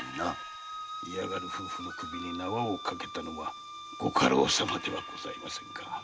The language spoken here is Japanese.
嫌がる夫婦の首に縄をかけたのはご家老さまではございませんか。